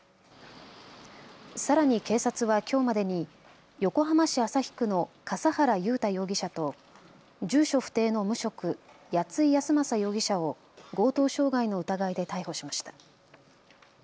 さらに警察はきょうまでに横浜市旭区の笠原雄大容疑者と住所不定の無職、谷井泰雅容疑者を強盗傷害の疑いで逮捕しました。